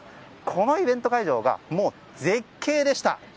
このイベント会場が絶景でした。